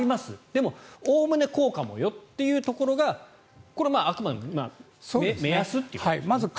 でも、おおむねこうかもよというところがこれはあくまでも目安ということですね。